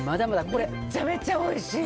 これ、めっちゃめちゃおいしい。